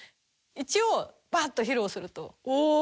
一応バッ！と披露するとおおー！